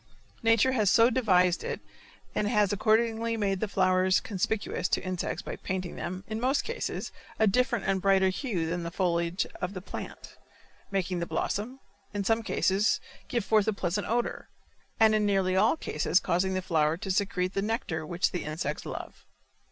Nature has so devised it and has accordingly made the flowers conspicuous to insects by painting them, in most cases, a different and brighter hue than the foliage of the plant, making the blossom, in some cases, give forth a pleasant odor, and in nearly all cases causing the flower to secrete the nectar which the insects love.